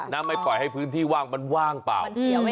ไม่ปล่อยให้พื้นที่ว่างมันว่างเปล่า